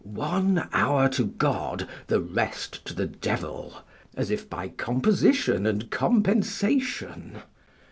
One hour to God, the rest to the devil, as if by composition and compensation.